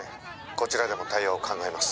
こちらでも対応を考えます」